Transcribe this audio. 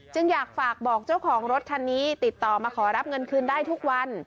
อยากฝากบอกเจ้าของรถคันนี้ติดต่อมาขอรับเงินคืนได้ทุกวัน